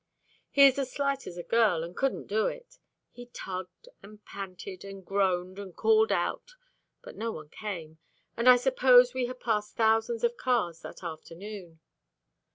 He is as slight as a girl, and couldn't do it. He tugged and panted, and groaned, and called out, but no one came, and I suppose we had passed thousands of cars that afternoon.